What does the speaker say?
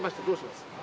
どうします？